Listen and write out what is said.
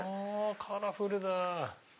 カラフルだ！